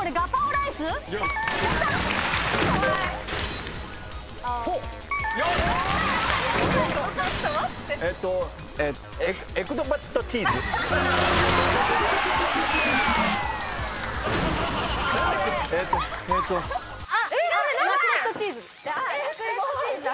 「ラクレットチーズ」だ。